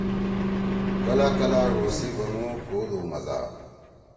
کلا کلا ڙو سی بنُو کُوودُو مزا